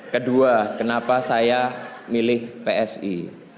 kedua kenapa saya milih psi